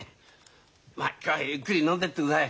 まっ今日はゆっくり飲んでってください。